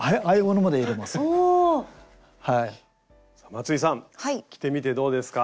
松井さん着てみてどうですか？